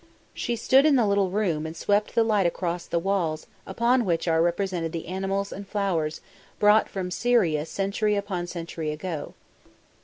She stood in the little room and swept the light across the walls upon which are represented the animals and flowers brought from Syria century upon century ago.